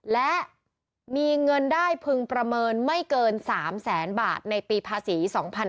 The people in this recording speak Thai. และมีเงินได้พึงประเมินไม่เกิน๓แสนบาทในปีภาษี๒๕๕๙